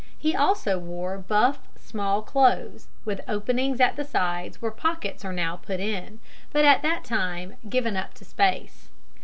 He also wore buff small clothes, with openings at the sides where pockets are now put in, but at that time given up to space.